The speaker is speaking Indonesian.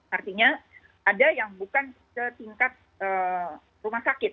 artinya ada yang bukan setingkat rumah sakit